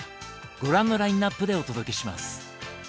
ご覧のラインナップでお届けします。